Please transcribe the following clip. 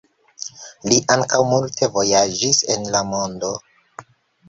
Li ankaŭ multe vojaĝis en la mondo.